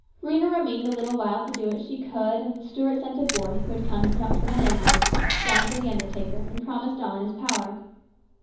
Rhena remained a little while to do what she could, and Stuart sent a boy, who had come up from a neighbour's, down for the undertaker, and promised all in his power.